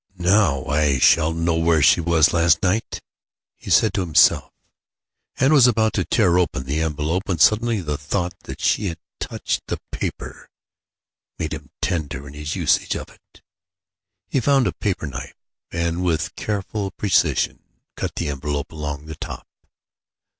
"Now I shall know where she was last night," he said to himself, and was about to tear open the envelope, when suddenly the thought that she had touched the paper made him tender in his usage of it. He found a paper knife and with careful precision cut the envelope along the top.